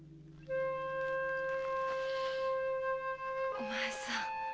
お前さん。